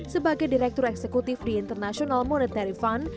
sebagai direktur eksekutif di international monetary fund